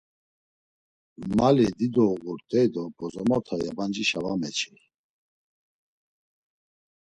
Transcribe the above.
Mali dido uğurt̆ey do bozomota yabancişa va meçey.